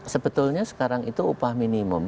sebetulnya sekarang itu upah minimum